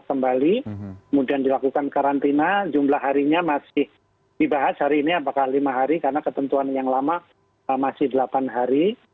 kemudian dilakukan karantina jumlah harinya masih dibahas hari ini apakah lima hari karena ketentuan yang lama masih delapan hari